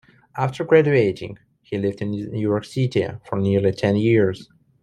After graduating, he lived in New York City for nearly ten years.